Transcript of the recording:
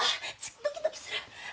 ドキドキする！